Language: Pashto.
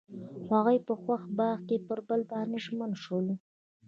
هغوی په خوښ باغ کې پر بل باندې ژمن شول.